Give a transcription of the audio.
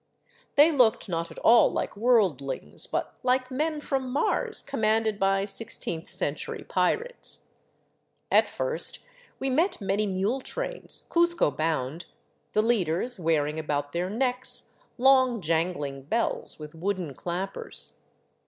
They looked not at all like worldlings, but like men from Mars commanded by sixteenth century pirates. At first we met many mule trains, Cuzco bound, the leaders wearing about their necks long jangling bells with wooden clappers.